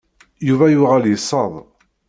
Yuba yuɣal yesseḍ.